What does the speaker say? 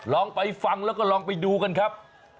ลองไปฟังแล้วก็ลองไปดูกันครับ